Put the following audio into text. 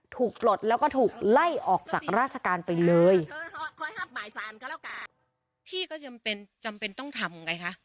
ปลดแล้วก็ถูกไล่ออกจากราชการไปเลยพี่ก็จำเป็นจำเป็นต้องทำไงคะ